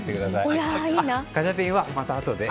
ガチャピンは、またあとでね。